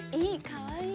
かわいい。